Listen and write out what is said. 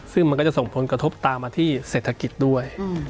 ซึ่งมันก็จะส่งผลกระทบตามมาที่เศรษฐกิจด้วย